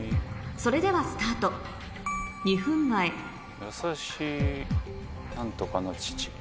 それではスタート優しい何とかの父。